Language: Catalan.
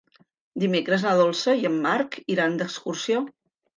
Dimecres na Dolça i en Marc iran d'excursió.